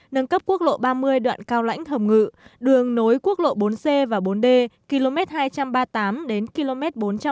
nâng cấp quốc lộ ba mươi đoạn cao lãnh hồng ngự đường nối quốc lộ bốn c và bốn d km hai trăm ba mươi tám đến km bốn trăm ba mươi